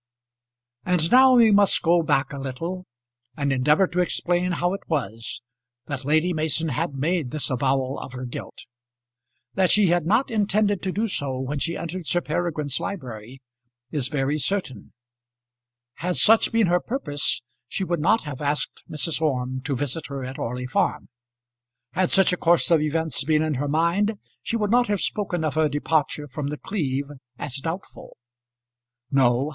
And now we must go back a little and endeavour to explain how it was that Lady Mason had made this avowal of her guilt. That she had not intended to do so when she entered Sir Peregrine's library is very certain. Had such been her purpose she would not have asked Mrs. Orme to visit her at Orley Farm. Had such a course of events been in her mind she would not have spoken of her departure from The Cleeve as doubtful. No.